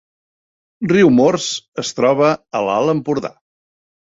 Riumors es troba a l’Alt Empordà